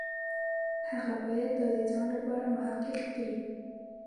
هغه باید دا د ځان لپاره محقق کړي.